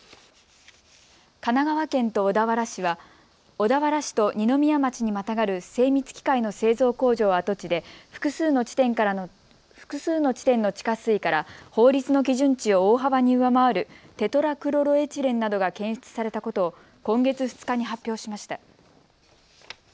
神奈川県と小田原市は小田原市と二宮町にまたがる精密機械の製造工場跡地で複数の地点の地下水から法律の基準値を大幅に上回るテトラクロロエチレンなどが検出されたことを今月２日に発表しました。